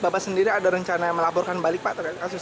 bapak sendiri ada rencana melaporkan balik pak